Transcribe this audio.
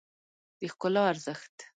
د ښکلا ارزښت